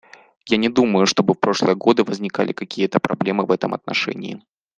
Я не думаю, чтобы в прошлые годы возникали какие-то проблемы в этом отношении.